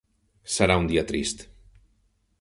Serà un dia trist.